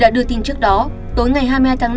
đã đưa tin trước đó tối ngày hai mươi hai tháng năm